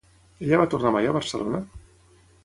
Ella va tornar mai a Barcelona?